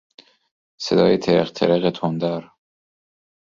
صدای ترق ترق تندر